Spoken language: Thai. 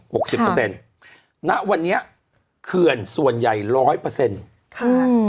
สิบเปอร์เซ็นต์ณวันนี้เขื่อนส่วนใหญ่ร้อยเปอร์เซ็นต์ค่ะอืม